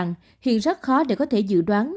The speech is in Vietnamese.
những người cho rằng hiện rất khó để có thể dự đoán